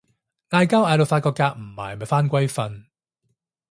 嗌交嗌到發覺夾唔埋咪返歸瞓